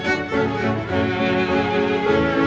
gimana kita akan menikmati rena